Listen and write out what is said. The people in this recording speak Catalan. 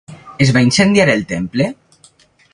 Es va incendiar el temple?